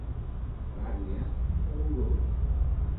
Ràbia que udola.